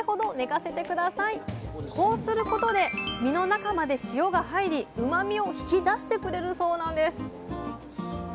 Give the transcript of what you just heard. こうすることで身の中まで塩が入りうまみを引き出してくれるそうなんです